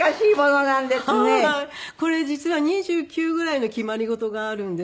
これ実は２９ぐらいの決まり事があるんですね。